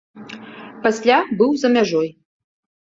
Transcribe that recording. Пасля быў за мяжою.